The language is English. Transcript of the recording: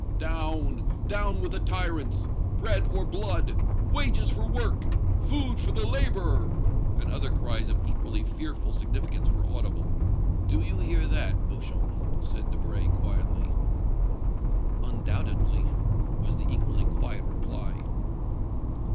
"Down! down with the tyrants! Bread or blood! Wages for work! Food for the laborer!" and other cries of equally fearful significance were audible. "Do you hear that, Beauchamp?" said Debray, quietly. "Undoubtedly," was the equally quiet reply.